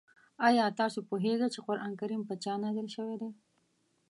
آیا تاسو پوهېږئ چې قرآن کریم په چا نازل شوی دی؟